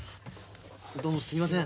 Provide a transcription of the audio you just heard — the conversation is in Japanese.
どうもすいません。